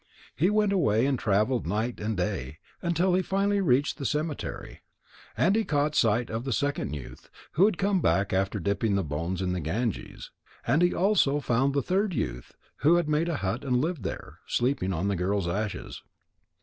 He went away and travelled night and day, until he finally reached the cemetery. And he caught sight of the second youth, who had come back after dipping the bones in the Ganges. And he also found the third youth, who had made a hut and lived there, sleeping on the girl's ashes.